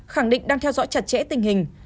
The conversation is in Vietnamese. khẳng định đang theo dõi chặt chẽ tình hình